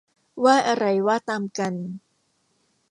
ว่าอะไรว่าตามกัน